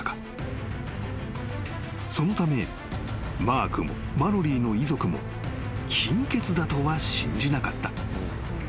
［そのためマークもマロリーの遺族も金欠だとは信じなかった］